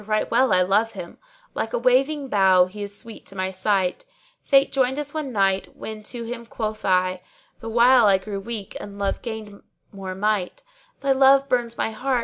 right well I love him, * Like a waving bough he is sweet to my sight: Fate joined us one night, when to him quoth I * (The while I grew weak and love gained more might) 'Thy love burns my heart!'